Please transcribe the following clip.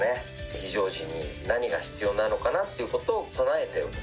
非常時に何が必要なのかなっていうことを備えておく。